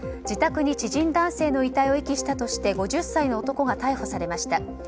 自宅に知人男性の遺体を遺棄したとして５０歳の男が逮捕されました。